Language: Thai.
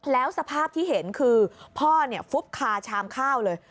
แล้วสภาพที่เห็นคือพ่อฟุบคาชามข้าวเลย